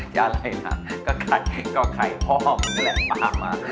อย่าไรนะก็ไข่ห้อมนั่นแหละบางมาก